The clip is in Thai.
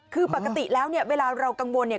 คือปกติแล้วเนี่ยเวลาเรากังวลเนี่ย